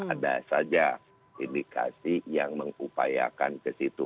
ada saja indikasi yang mengupayakan ke situ